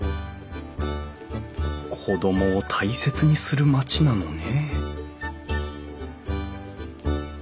子供を大切にする町なのね